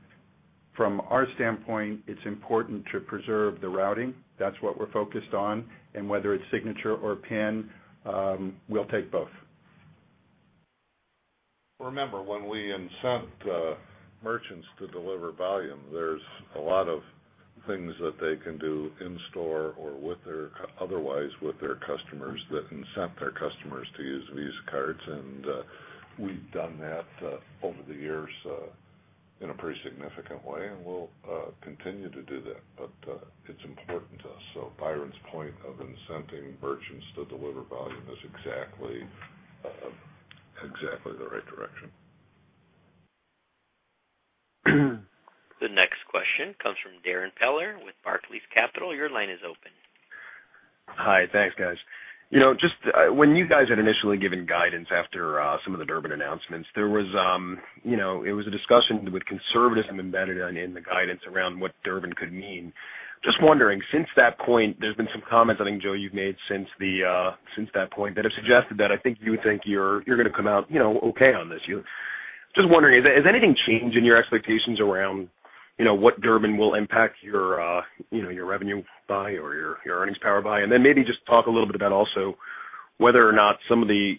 From our standpoint, it's important to preserve the routing. That's what we're focused on. Whether it's signature or PIN, we'll take both. Remember, when we incent merchants to deliver volume, there are a lot of things that they can do in-store or otherwise with their customers that incent their customers to use Visa cards. We have done that over the years in a pretty significant way, and we will continue to do that. It is important to us. Byron's point of incenting merchants to deliver volume is exactly the right direction. The next question comes from Darrin Peller with Barclays Capital. Your line is open. Hi, thanks, guys. You know, just when you guys had initially given guidance after some of the Durbin announcements, there was a discussion with conservatism embedded in the guidance around what Durbin could mean. Just wondering, since that point, there's been some comments, I think, Joe, you've made since that point that have suggested that I think you think you're going to come out, you know, okay on this. Just wondering, has anything changed in your expectations around what Durbin will impact your revenue by or your earnings power by? Maybe just talk a little bit about also whether or not some of the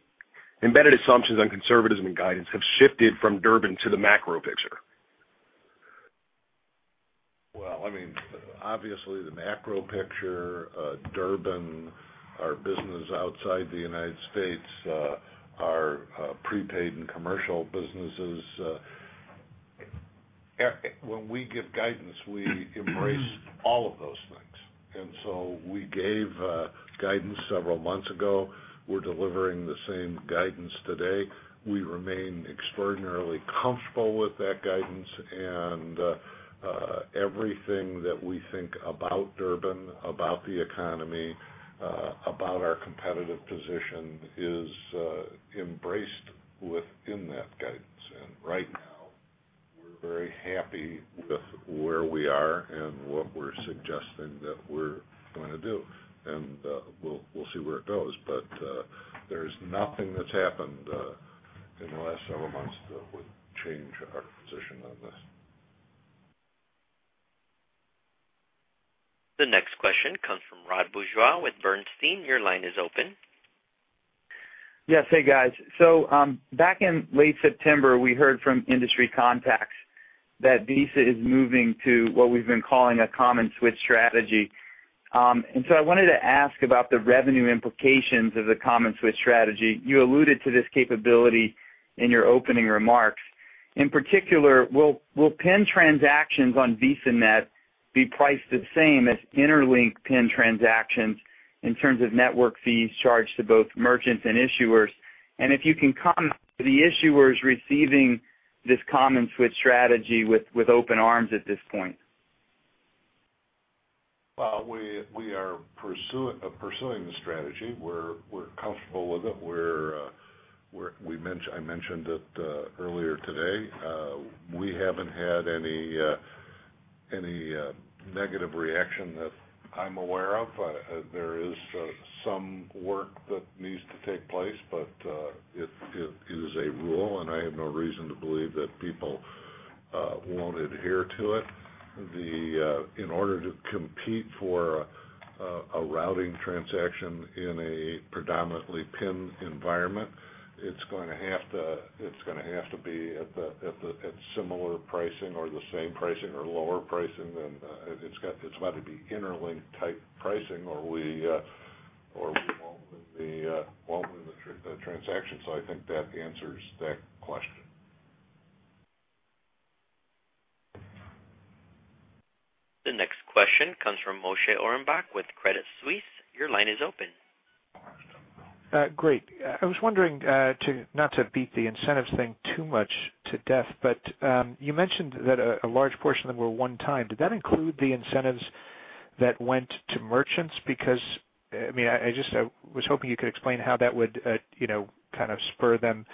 embedded assumptions on conservatism in guidance have shifted from Durbin to the macro picture. Obviously, the macro picture, Durbin, our business outside the U.S., our prepaid and commercial businesses, when we give guidance, we embrace all of those things. We gave guidance several months ago. We're delivering the same guidance today. We remain extraordinarily comfortable with that guidance. Everything that we think about Durbin, about the economy, about our competitive position is embraced within that guidance. Right now, we're very happy with where we are and what we're suggesting that we're going to do. We'll see where it goes. There's nothing that's happened in the last several months that would change our position on this. The next question comes from Rod Bourgeois with Bernstein. Your line is open. Yes, hey guys. Back in late September, we heard from industry contacts that Visa is moving to what we've been calling a common switch strategy. I wanted to ask about the revenue implications of the common switch strategy. You alluded to this capability in your opening remarks. In particular, will PIN transactions on VisaNet be priced the same as interlinked PIN transactions in terms of network fees charged to both merchants and issuers? If you can comment on the issuers receiving this common switch strategy with open arms at this point. We are pursuing the strategy. We're comfortable with it. I mentioned it earlier today. We haven't had any negative reaction that I'm aware of. There is some work that needs to take place, but it is a rule, and I have no reason to believe that people won't adhere to it. In order to compete for a routing transaction in a predominantly PIN environment, it's going to have to be at similar pricing or the same pricing or lower pricing. It's got to be interlinked type pricing or we won't win the transaction. I think that answers that question. The next question comes from Moshe Orenbuch with Credit Suisse. Your line is open. Great. I was wondering, not to beat the incentives thing too much to death, but you mentioned that a large portion of them were one-time. Did that include the incentives that went to merchants? I was hoping you could explain how that would, you know, kind of spur them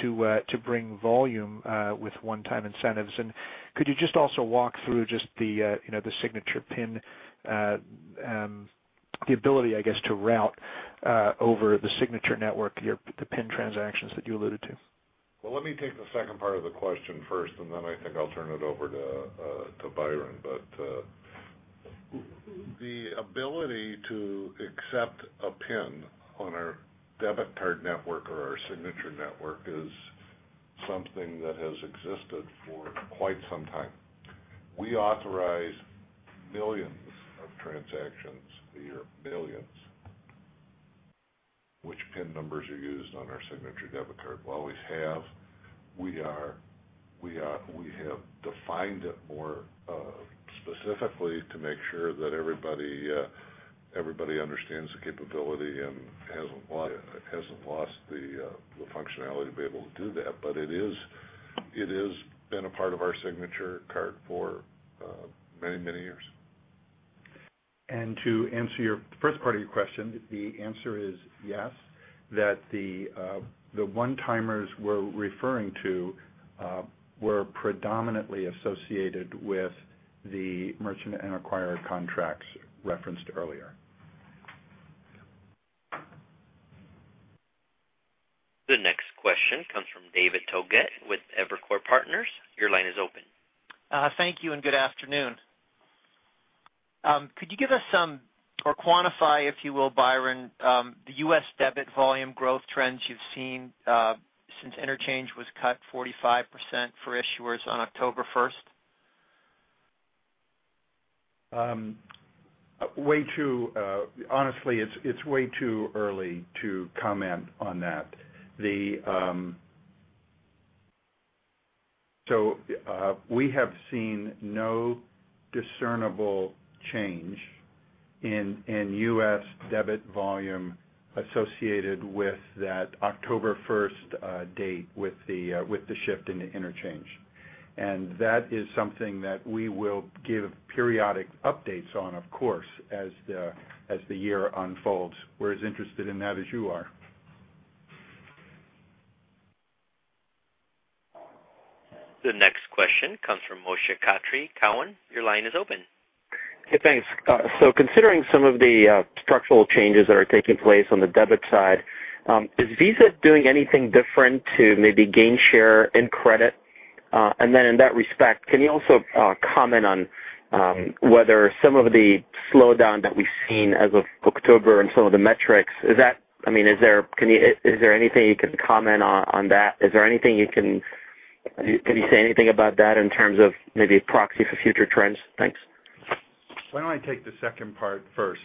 to bring volume with one-time incentives. Could you also walk through the signature PIN, the ability, I guess, to route over the signature network, the PIN transactions that you alluded to? Let me take the second part of the question first, and then I think I'll turn it over to Byron. The ability to accept a PIN on our debit card network or our signature network is something that has existed for quite some time. We authorize millions of transactions a year, millions, where PIN numbers are used on our signature debit card. We always have. We have defined it more specifically to make sure that everybody understands the capability and hasn't lost the functionality to be able to do that. It has been a part of our signature card for many, many years. To answer the first part of your question, the answer is yes, the one-timers we're referring to were predominantly associated with the merchant and acquirer contracts referenced earlier. The next question comes from David Togut with Evercore Partners. Your line is open. Thank you and good afternoon. Could you give us some, or quantify, if you will, Byron, the U.S. debit volume growth trends you've seen since interchange was cut 45% for issuers on October 1st? Honestly, it's way too early to comment on that. We have seen no discernible change in U.S. debit volume associated with that October 1st date with the shift in the interchange. That is something that we will give periodic updates on, of course, as the year unfolds. We're as interested in that as you are. The next question comes from Moshe Katri, Cowen. Your line is open. Thanks. Considering some of the structural changes that are taking place on the debit side, is Visa doing anything different to maybe gain share in credit? In that respect, can you also comment on whether some of the slowdown that we've seen as of October in some of the metrics, is that, I mean, is there anything you can comment on? Is there anything you can say about that in terms of maybe a proxy for future trends? Thanks. Why don't I take the second part first?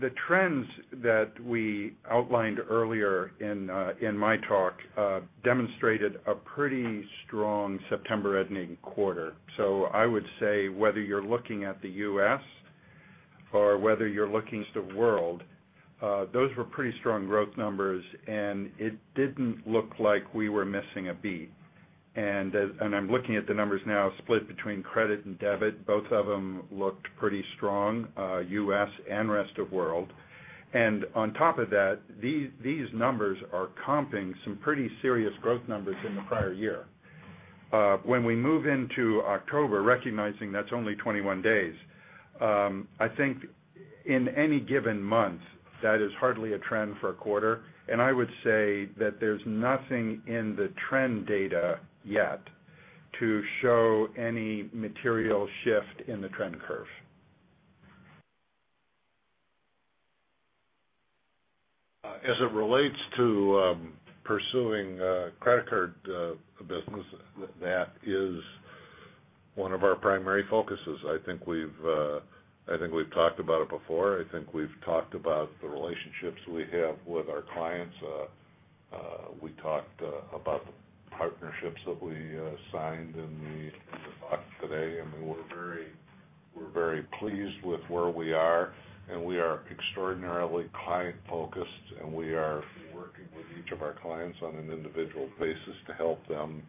The trends that we outlined earlier in my talk demonstrated a pretty strong September ending quarter. I would say whether you're looking at the U.S. or whether you're looking at the rest of the world, those were pretty strong growth numbers, and it didn't look like we were missing a beat. I'm looking at the numbers now split between credit and debit. Both of them looked pretty strong, U.S. and rest of the world. On top of that, these numbers are comping some pretty serious growth numbers in the prior year. When we move into October, recognizing that's only 21 days, I think in any given month, that is hardly a trend for a quarter. I would say that there's nothing in the trend data yet to show any material shift in the trend curve. As it relates to pursuing credit card business, that is one of our primary focuses. I think we've talked about it before. I think we've talked about the relationships we have with our clients. We talked about the partnerships that we signed in the office today, and we were very, very pleased with where we are. We are extraordinarily client-focused, and we are working with each of our clients on an individual basis to help them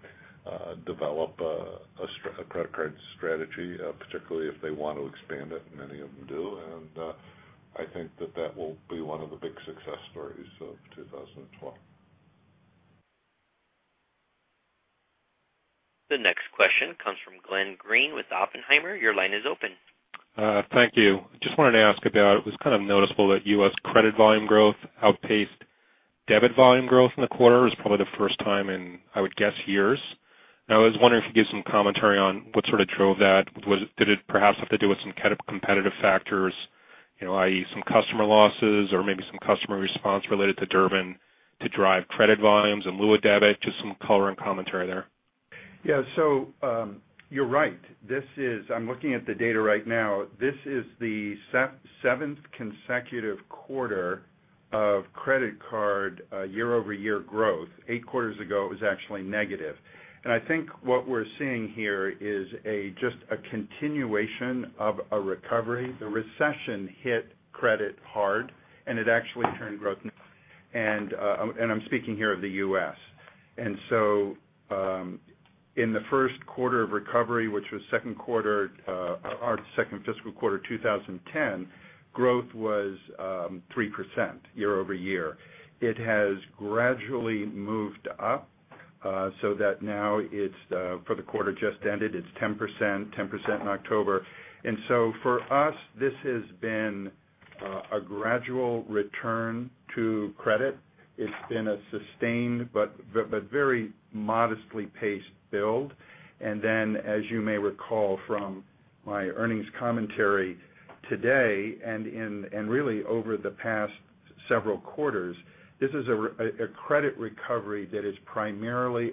develop a credit card strategy, particularly if they want to expand it, and many of them do. I think that will be one of the big success stories of 2012. The next question comes from Glenn Greene with Oppenheimer. Your line is open. Thank you. I just wanted to ask about, it was kind of noticeable that U.S. credit volume growth outpaced debit volume growth in the quarter. It was probably the first time in, I would guess, years. I was wondering if you could give some commentary on what sort of drove that. Did it perhaps have to do with some competitive factors, i.e., some customer losses or maybe some customer response related to the Durbin to drive credit volumes in lieu of debit? Just some color and commentary there. Yeah, so you're right. This is, I'm looking at the data right now. This is the seventh consecutive quarter of credit card year-over-year growth. Eight quarters ago, it was actually negative. I think what we're seeing here is just a continuation of a recovery. The recession hit credit hard, and it actually turned growth. I'm speaking here of the U.S. In the first quarter of recovery, which was second quarter, our second fiscal quarter 2010, growth was 3% year-over-year. It has gradually moved up so that now it's for the quarter just ended, it's 10%, 10% in October. For us, this has been a gradual return to credit. It's been a sustained, but very modestly paced build. As you may recall from my earnings commentary today and really over the past several quarters, this is a credit recovery that is primarily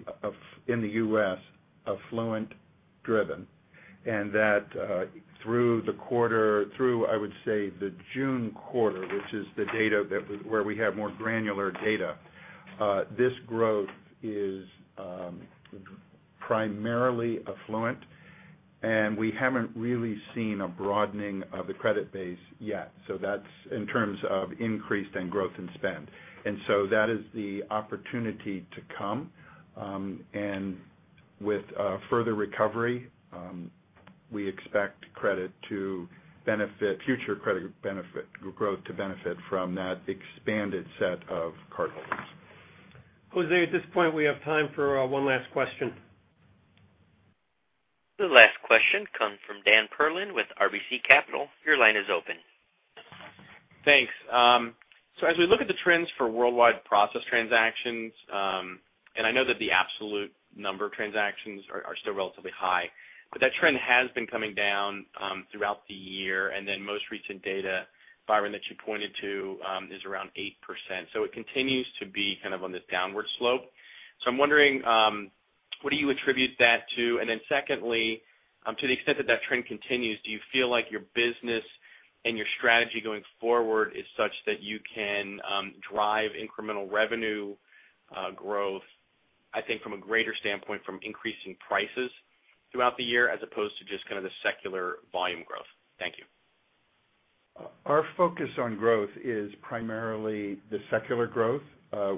in the U.S. affluent-driven. Through the quarter, through I would say the June quarter, this is the data where we have more granular data. This growth is primarily affluent, and we haven't really seen a broadening of the credit base yet. That's in terms of increased growth in spend. That is the opportunity to come. With further recovery, we expect credit to benefit, future credit growth to benefit from that expanded set of card holders. Jose, at this point, we have time for one last question. The last question comes from Dan Perlin with RBC Capital. Your line is open. Thanks. As we look at the trends for worldwide processed transactions, I know that the absolute number of transactions is still relatively high, but that trend has been coming down throughout the year. In the most recent data, Byron, that you pointed to is around 8%. It continues to be kind of on this downward slope. I'm wondering, what do you attribute that to? Secondly, to the extent that trend continues, do you feel like your business and your strategy going forward is such that you can drive incremental revenue growth, I think from a greater standpoint from increasing prices throughout the year as opposed to just kind of the secular volume growth? Thank you. Our focus on growth is primarily the secular growth.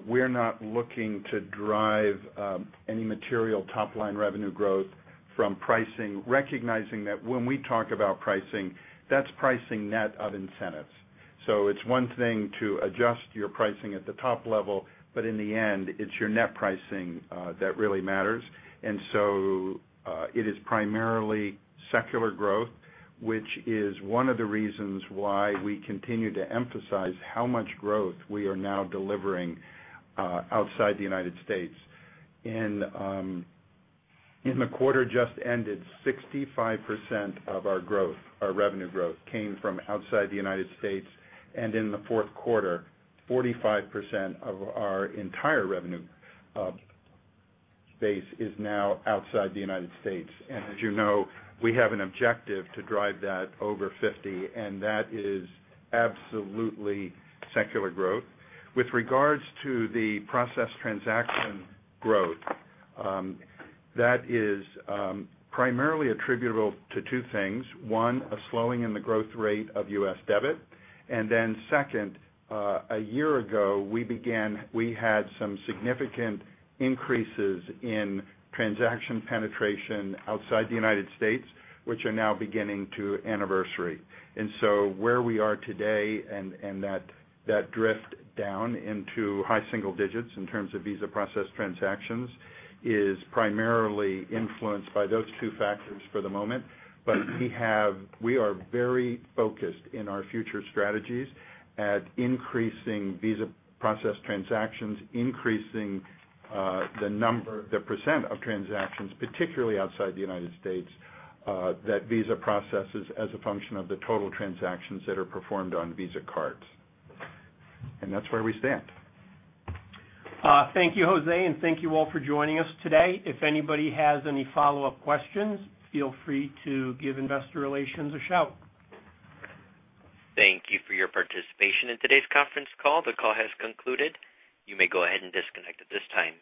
We're not looking to drive any material top-line revenue growth from pricing, recognizing that when we talk about pricing, that's pricing net of incentives. It's one thing to adjust your pricing at the top level, but in the end, it's your net pricing that really matters. It is primarily secular growth, which is one of the reasons why we continue to emphasize how much growth we are now delivering outside the U.S. In the quarter just ended, 65% of our growth, our revenue growth, came from outside the U.S. In the fourth quarter, 45% of our entire revenue base is now outside the U.S. As you know, we have an objective to drive that over 50%, and that is absolutely secular growth. With regards to the process transaction growth, that is primarily attributable to two things. One, a slowing in the growth rate of U.S. debit. Second, a year ago, we had some significant increases in transaction penetration outside the U.S., which are now beginning to anniversary. Where we are today and that drift down into high single digits in terms of Visa process transactions is primarily influenced by those two factors for the moment. We are very focused in our future strategies at increasing Visa process transactions, increasing the percent of transactions, particularly outside the U.S., that Visa processes as a function of the total transactions that are performed on Visa cards. That's where we stand. Thank you, Jose, and thank you all for joining us today. If anybody has any follow-up questions, feel free to give investor relations a shout. Thank you for your participation in today's conference call. The call has concluded. You may go ahead and disconnect at this time.